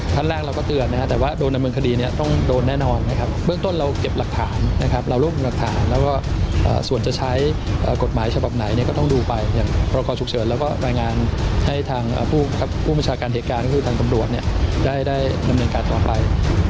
ท่านแรกเราก็เตือนนะครับแต่ว่าโดนดำเนินคดีเนี่ยต้องโดนแน่นอนนะครับเบื้องต้นเราเก็บหลักฐานนะครับเรารวบรวมหลักฐานแล้วก็ส่วนจะใช้กฎหมายฉบับไหนเนี่ยก็ต้องดูไปอย่างพรกรฉุกเฉินแล้วก็รายงานให้ทางผู้บัญชาการเหตุการณ์ก็คือทางตำรวจเนี่ยได้ดำเนินการต่อไป